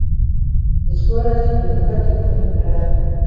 Ekikoola ky'ejjuuni nga kirungi ddala.